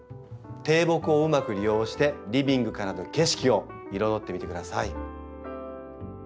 低木をうまく利用してリビングからの景色を彩ってみてください。